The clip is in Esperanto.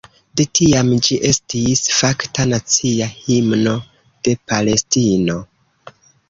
De tiam ĝi estis fakta nacia himno de Palestino.